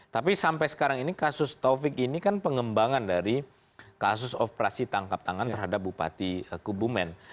tapi sampai sekarang ini kasus taufik ini kan pengembangan dari kasus operasi tangkap tangan terhadap bupati kubumen